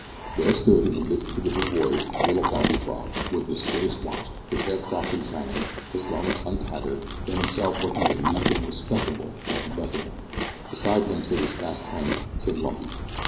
There stood, in the midst of the group of boys, little Bobby Frog, with his face washed, his hair cropped and shining, his garments untattered, and himself looking as meek and "respectable" as the best of them. Beside him stood his fast friend Tim Lumpy.